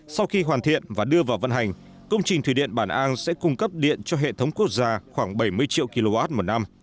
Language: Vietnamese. sau khi hoàn thiện và đưa vào vận hành công trình thủy điện bản an sẽ cung cấp điện cho hệ thống quốc gia khoảng bảy mươi triệu kwh một năm